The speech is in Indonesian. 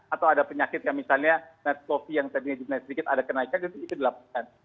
atau ada penyakit yang misalnya narkosofi yang sedikit ada kenaikan itu dilaporkan